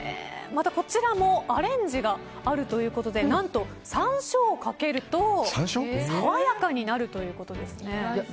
またこちらもアレンジがあるということで何と山椒をかけると爽やかになるということですね。